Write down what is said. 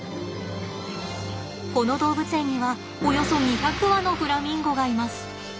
この動物園にはおよそ２００羽のフラミンゴがいます。